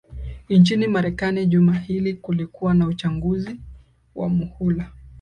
nchini marekani juma hili kulikuwa na uchaguzi wa muhula